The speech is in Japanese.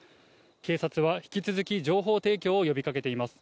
警察は、引き続き情報提供を呼びかけています。